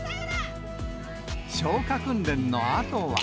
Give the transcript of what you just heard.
消火訓練のあとは。